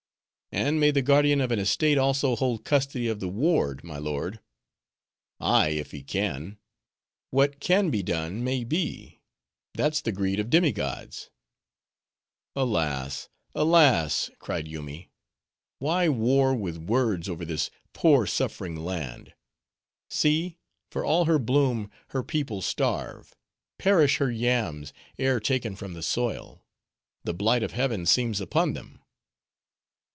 "And may the guardian of an estate also hold custody of the ward, my lord?" "Ay, if he can. What can be done, may be: that's the Greed of demi gods." "Alas, alas!" cried Yoomy, "why war with words over this poor, suffering land. See! for all her bloom, her people starve; perish her yams, ere taken from the soil; the blight of heaven seems upon them."